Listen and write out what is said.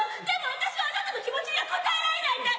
でも私はあなたの気持ちには応えられない。